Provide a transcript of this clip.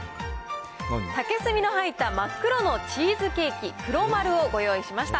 竹炭の入った真っ黒のチーズケーキ、黒まるをご用意しました。